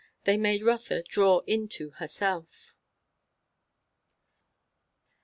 They made Rotha draw in to herself.